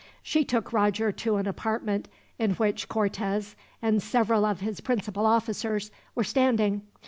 She took Roger to an apartment in which Cortez, and several of his principal officers, were standing.